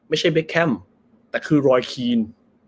ไม่ใช่เบคแคมแต่คือรอยคีน